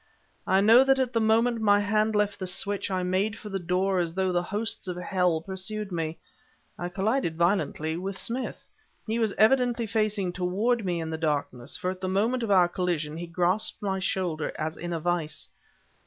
I know that at the moment my hand left the switch, I made for the door as though the hosts of hell pursued me. I collided violently with Smith. He was evidently facing toward me in the darkness, for at the moment of our collision, he grasped my shoulder as in a vise.